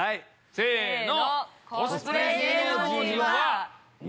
せの！